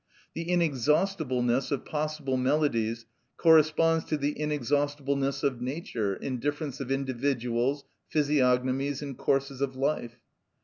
The inexhaustibleness of possible melodies corresponds to the inexhaustibleness of Nature in difference of individuals, physiognomies, and courses of life.